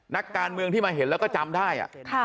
นักการเมืองที่มาเห็นแล้วก็จำได้